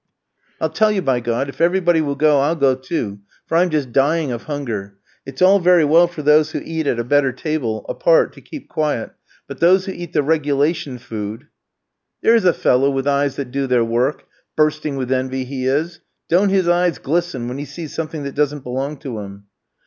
"I'll tell you, by God! If everybody will go, I'll go too, for I'm just dying of hunger. It's all very well for those who eat at a better table, apart, to keep quiet; but those who eat the regulation food " "There's a fellow with eyes that do their work, bursting with envy he is. Don't his eyes glisten when he sees something that doesn't belong to him?"